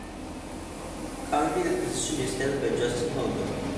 Currently, the position is held by Justin Holbrook.